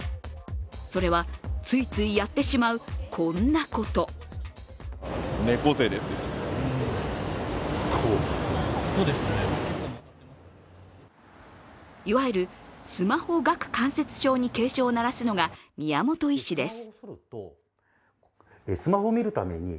それは、ついついやってしまうこんなこといわゆるスマホ顎関節症に警鐘を鳴らすのが宮本医師です。